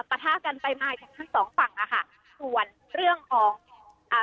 ปะทะกันไปมาจากทั้งสองฝั่งอ่ะค่ะส่วนเรื่องของอ่า